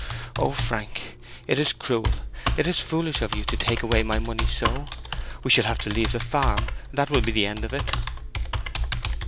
O, Frank, it is cruel; it is foolish of you to take away my money so. We shall have to leave the farm; that will be the end of it!"